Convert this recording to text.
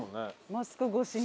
マスク越しに。